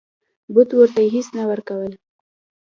بت ورته هیڅ نه ورکول.